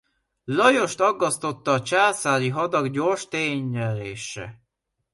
Lajost aggasztotta a császári hadak gyors térnyerése.